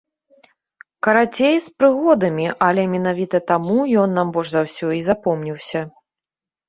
Карацей, з прыгодамі, але менавіта таму ён нам больш за ўсё і запомніўся.